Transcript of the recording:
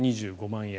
２５万円。